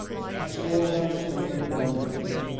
I saw and understood and wondered.